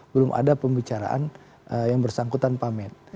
belum ada pembicaraan yang bersangkutan pamit